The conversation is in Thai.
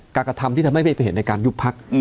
กากธรรมที่ท่านไม่ได้ไปเห็นในการยุบพรรค